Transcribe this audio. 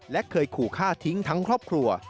และเคยขู่ฆ่าทิ้งทั้งครอบครัว